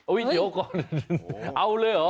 เดี๋ยวก่อนเอาเลยเหรอ